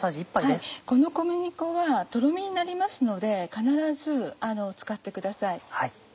この小麦粉はトロミになりますので必ず使ってください。